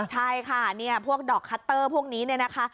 ใช่ค่ะพวกดอกคัตเตอร์พวกนี้นะคะ